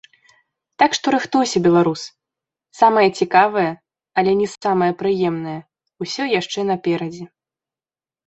Так што рыхтуйся, беларус, самае цікавае, але не самае прыемнае, усё яшчэ наперадзе.